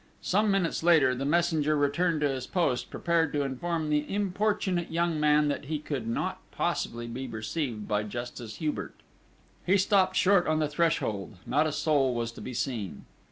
Some minutes later, the messenger returned to his post, prepared to inform the importunate young man that he could not possibly be received by Justice Hubert. He stopped short on the threshold: not a soul was to be seen!